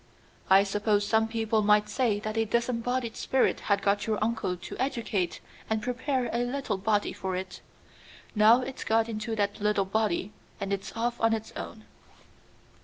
"I suppose some people might say that a disembodied spirit had got your uncle to educate and prepare a little body for it. Now it's got into that little body and is off on its own."